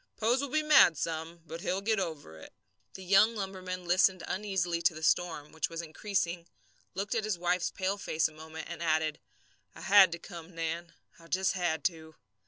Pose will be mad some, but he'll get over it." The young lumberman listened uneasily to the storm, which was increasing, looked at his wife's pale face a moment, and added: "I had to come, Nan. I just had to."